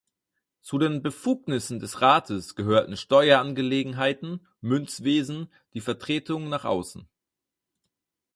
Zu den Befugnissen des Rates gehörten Steuerangelegenheiten, Münzwesen, die Vertretung nach außen.